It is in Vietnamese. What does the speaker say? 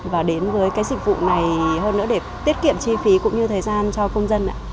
và đến với cái dịch vụ này hơn nữa để tiết kiệm chi phí cũng như thời gian cho công dân ạ